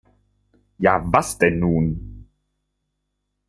Ja, was denn nun?